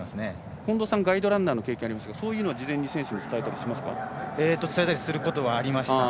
近藤さんはガイドランナーの経験もありますが、そういうのは事前に伝えたりすることはありますか。